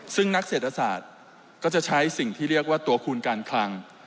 ซึ่งนักเศรษฐศาสตร์ก็จะใช้สิ่งที่เรียกว่าตัวคูณการคลัง